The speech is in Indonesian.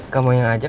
kamu yang ajak